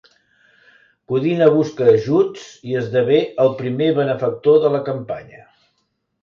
Codina busca ajuts i esdevé el primer benefactor de la campanya.